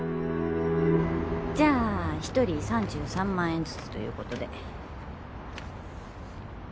じゃあ１人３３万円ずつということで。